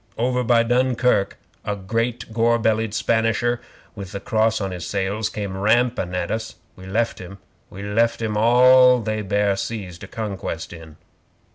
Over by Dunkirk a great gor bellied Spanisher, with the Cross on his sails, came rampin' at us. We left him. We left him all they bare seas to conquest in.